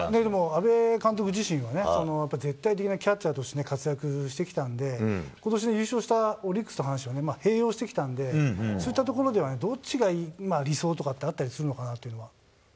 阿部監督自身がね、やっぱり絶対的なキャッチャーとして活躍してきたんで、ことし優勝したオリックスと阪神は併用してきたんでそういったところではね、どっちが理想とかってあったりするのかなっていうのは。